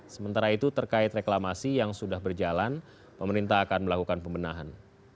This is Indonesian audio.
sementara itu terkait reklamasi yang sudah berjalan pemerintah akan melakukan pembenahan